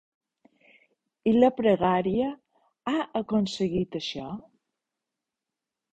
I la pregària ha aconseguit això?